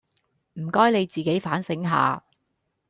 唔該你自己反省下